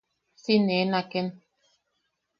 Si nee naken.